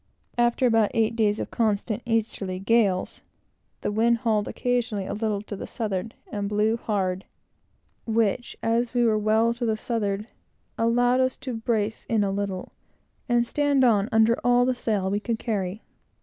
After about eight days of constant easterly gales, the wind hauled occasionally a little to the southward, and blew hard, which, as we were well to the southward, allowed us to brace in a little and stand on, under all the sail we could carry.